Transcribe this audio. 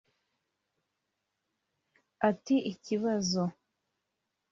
Ati”Ikibazo